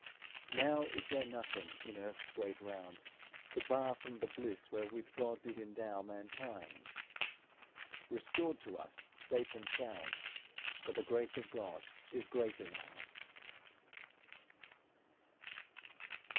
Now is there nothing in earth's great round, To bar from the bliss wherewith God did endow Mankind, restored to us safe and sound, For the grace of God is great enow."